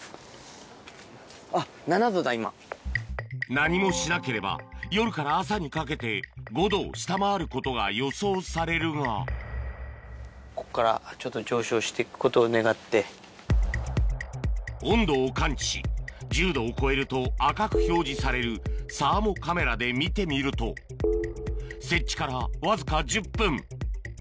何もしなければ夜から朝にかけて５℃を下回ることが予想されるが温度を感知し１０℃を超えると赤く表示されるサーモカメラで見てみると設置からわずか１０分